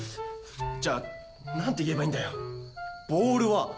じゃあ何て言えばいいんだよ？